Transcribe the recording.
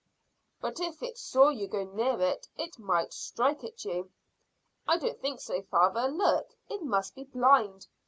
"But if it saw you go near it might strike at you." "I don't think so, father. Look, it must be blind.